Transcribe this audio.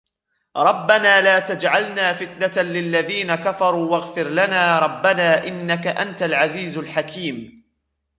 رَبَّنَا لَا تَجْعَلْنَا فِتْنَةً لِلَّذِينَ كَفَرُوا وَاغْفِرْ لَنَا رَبَّنَا إِنَّكَ أَنْتَ الْعَزِيزُ الْحَكِيمُ